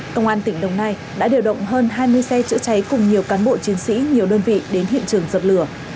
công an tỉnh đồng nai đã điều động hơn hai mươi xe chữa cháy cùng nhiều cán bộ chiến sĩ nhiều đơn vị đến hiện trường dập lửa